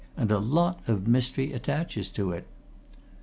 "And a lot of mystery attaches to it."